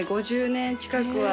５０年近くは。